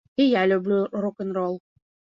І я люблю рок-н-рол.